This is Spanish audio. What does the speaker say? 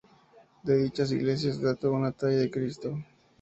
De dichas iglesias dato una talla de Cristo.